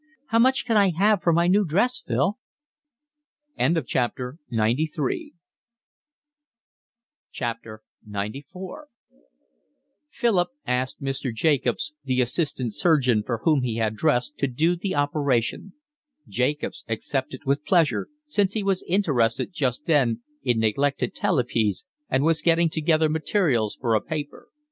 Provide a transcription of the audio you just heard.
"How much can I have for my new dress, Phil?" XCIV Philip asked Mr. Jacobs, the assistant surgeon for whom he had dressed, to do the operation. Jacobs accepted with pleasure, since he was interested just then in neglected talipes and was getting together materials for a paper.